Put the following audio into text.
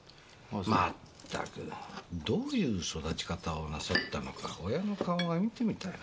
まったくどういう育ち方をなさったのか親の顔が見てみたい。